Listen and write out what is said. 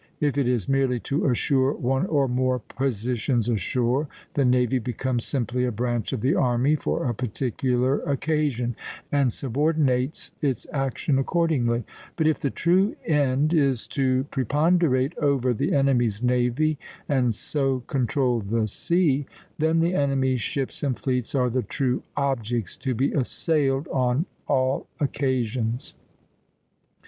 If it is merely to assure one or more positions ashore, the navy becomes simply a branch of the army for a particular occasion, and subordinates its action accordingly; but if the true end is to preponderate over the enemy's navy and so control the sea, then the enemy's ships and fleets are the true objects to be assailed on all occasions.